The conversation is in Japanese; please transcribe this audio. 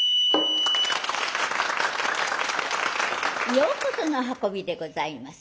ようこその運びでございます。